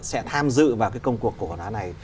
sẽ tham dự vào cái công cuộc của nó này